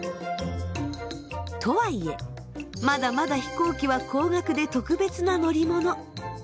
とはいえまだまだ飛行機は高額で特別な乗り物。